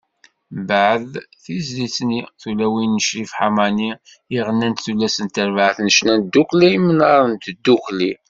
Mbeɛd, tizlit-nni “Tulawin” n Crif Ḥamani, i d-ɣennant tullas n terbaɛt n ccna n Tdukkkla Imnar n Tdukli.